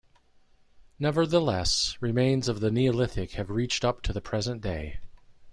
Nevertheless, remains of the Neolithic have reached up to the present day.